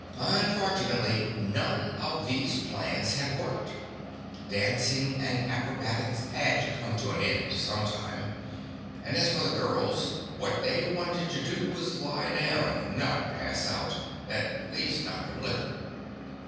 Unfortunately, none of these plans had worked. Dancing and acrobatics had to come to an end sometime, and as for the girls, what they wanted to do was lie down, not pass out at least not from liquor.